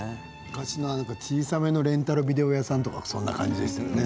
昔の小さめのレンタルビデオ屋さんとかそんな感じでしたよね。